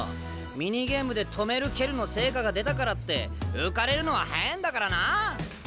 ミニゲームで止める蹴るの成果が出たからって浮かれるのは早えんだからな！